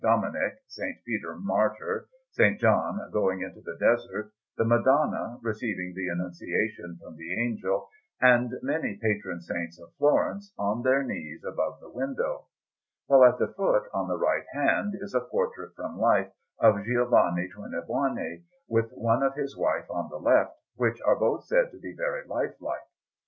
Dominic, S. Peter Martyr, S. John going into the Desert, the Madonna receiving the Annunciation from the Angel, and many patron saints of Florence on their knees above the window; while at the foot, on the right hand, is a portrait from life of Giovanni Tornabuoni, with one of his wife on the left, which are both said to be very lifelike.